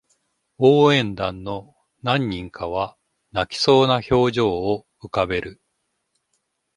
応援団の何人かは泣きそうな表情を浮かべる